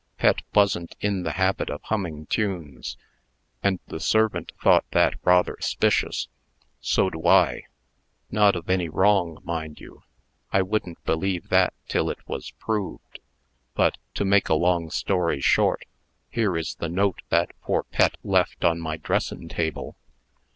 Pet wasn't in the habit of humming tunes; and, the servant thought that rather 'spicious. So do I not of any wrong, mind you. I wouldn't believe that till it was proved. But, to make a long story short, here is the note that poor Pet left on my dressin' table.